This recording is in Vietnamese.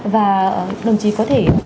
và đồng chí có thể